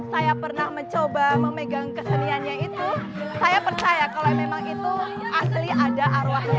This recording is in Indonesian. saya pernah mencoba memegang keseniannya itu saya percaya kalau memang itu asli ada arwahnya